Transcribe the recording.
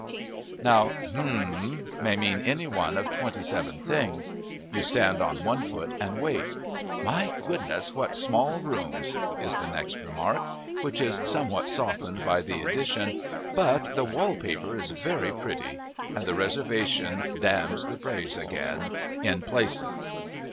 Now, "H m!" may mean any one of twenty seven things. You stand on one foot and wait. "My goodness, what small rooms!" is the next remark, which is somewhat softened by the addition, "but the wall paper is very pretty," and the reservation damns the praise again, "in places."